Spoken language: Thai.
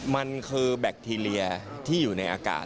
มันคือแบคทีเรียที่อยู่ในอากาศ